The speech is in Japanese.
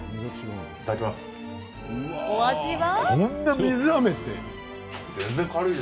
お味は。